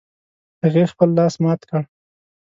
هغې خپل لاس مات کړ